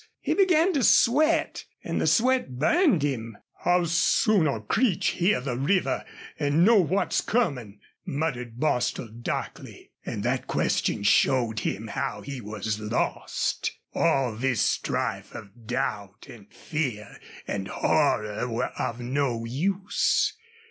He began to sweat and the sweat burned him. "How soon'll Creech hear the river an' know what's comin'?" muttered Bostil, darkly. And that question showed him how he was lost. All this strife of doubt and fear and horror were of no use.